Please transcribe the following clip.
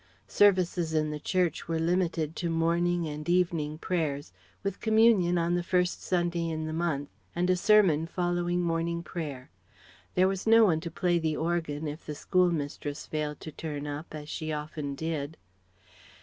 Services in the church were limited to Morning and Evening prayers, with Communion on the first Sunday in the month, and a sermon following Morning prayer. There was no one to play the organ if the schoolmistress failed to turn up as she often did.